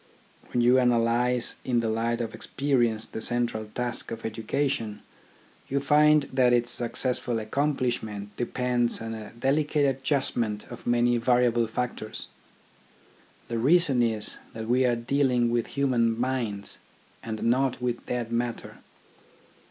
When you analyse in the light of experience the central task of education, you find that its successful accomplishment depends on a delicate adjustment of many variable factors. The reason is that we are dealing with human minds, and not with dead matter.